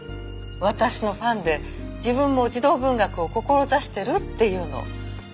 私のファンで自分も児童文学を志してるって言うの。